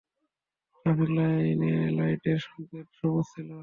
Traffic লাইটের সংকেত সবুজ ছিলো।